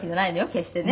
決してね」